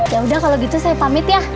yaudah kalau gitu saya pamit ya